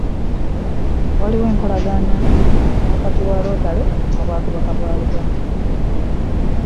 Waliwo enkolagana wakati wa Rotary ny'obwakabaka bwa Buganda